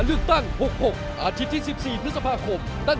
ประเด็นนี้เดี๋ยวให้สองคนไลน์คุยกัน